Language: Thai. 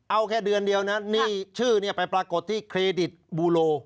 เอาแค่เดือนเดียวนะนี่ชื่อเนี่ยไปปรากฏที่เครดิตบูโล